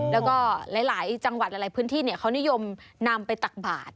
แล้วก็หลายจังหวัดหลายพื้นที่เขานิยมนำไปตักบาท